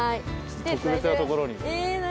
特別なところにえ何？